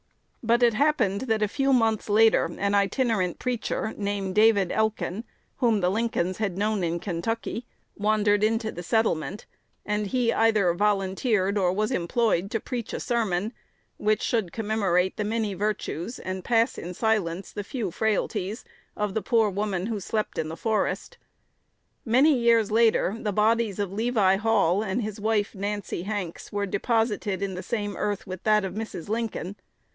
But it happened that a few months later an itinerant preacher, named David Elkin, whom the Lincolns had known in Kentucky, wandered into the settlement; and he either volunteered or was employed to preach a sermon, which should commemorate the many virtues and pass in silence the few frailties of the poor woman who slept in the forest. Many years later the bodies of Levi Hall and his wife, Nancy Hanks, were deposited in the same earth with that of Mrs. Lincoln.